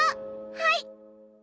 はい！